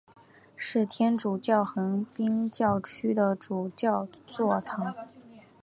是天主教横滨教区的主教座堂。